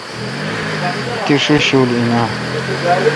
تی ݭیݭ شول این آں؟